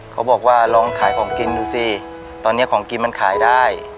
เขาบอกว่าลองขายของกินดูสิตอนนี้ของกินมันขายได้